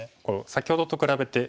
先ほどと比べて。